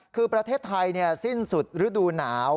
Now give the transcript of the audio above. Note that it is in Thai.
คือประเทศไทยสิ้นสุดฤดูหนาว